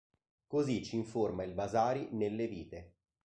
Così ci informa il Vasari nelle Vite.